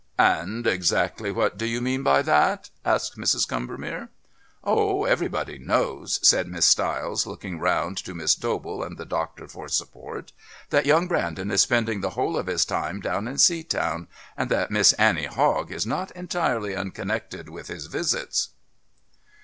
"And exactly what do you mean by that?" asked Mrs. Combermere. "Oh, everybody knows," said Miss Stiles, looking round to Miss Dobell and the doctor for support, "that young Brandon is spending the whole of his time down in Seatown, and that Miss Annie Hogg is not entirely unconnected with his visits."